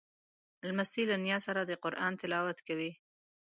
لمسی له نیا سره د قرآن تلاوت کوي.